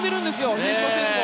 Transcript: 比江島選手も。